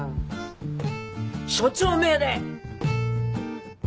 所長命令！